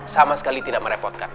sama sekali tidak merepotkan